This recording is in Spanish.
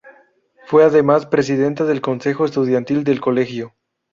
Fue además presidenta del consejo estudiantil del colegio.